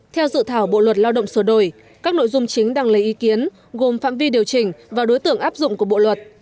theo dự thảo bộ luật lao động sửa đổi các nội dung chính đang lấy ý kiến gồm phạm vi điều chỉnh và đối tượng áp dụng của bộ luật